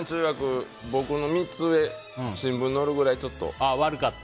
僕らの３つ上が新聞になるぐらいちょっと。